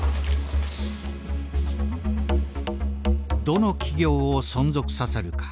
どの企業を存続させるか。